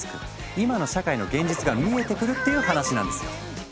今の社会の現実が見えてくる！っていう話なんですよ。